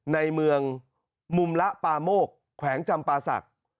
ในเมืองมุมละปาโมกแขวงจำปาศักดิ์